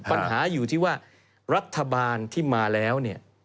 ปัญหาอยู่ที่ว่ารัฐบาลที่มาแล้วเนี่ย